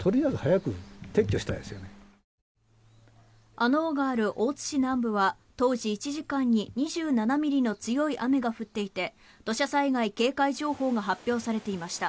穴太がある大塚市南部は当時、１時間に２７ミリの強い雨が降っていて土砂災害警戒情報が発表されていました。